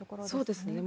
そうですね。